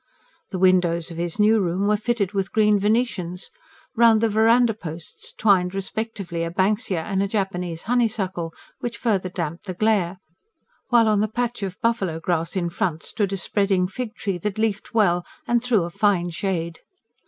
The windows of his new room were fitted with green venetians; round the verandah posts twined respectively a banksia and a Japanese honey suckle, which further damped the glare; while on the patch of buffalo grass in front stood a spreading fig tree, that leafed well and threw a fine shade.